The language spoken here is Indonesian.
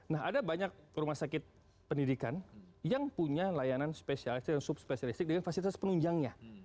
nah ada banyak rumah sakit pendidikan yang punya layanan spesialis yang subspesialistik dengan fasilitas penunjangnya